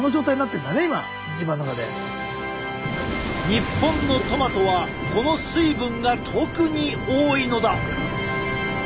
日本のトマトはこの水分が特に多いのだ。